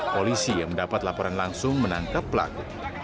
polisi yang mendapat laporan langsung menangkap pelaku